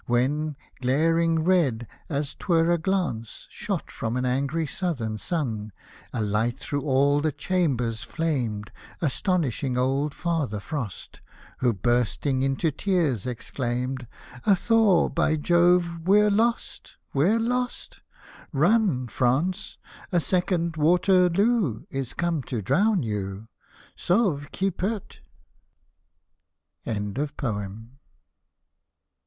When, glaring red, as 'twere a glance Shot from an angry Southern sun, A light through all the chambers flamed. Astonishing old Father Frost, Who, bursting into tears, exclaimed, " A thaw, by Jove — we're lost, we're lost ; Run, France — a second Waterloo Is come to drown you — sauve qui peut!''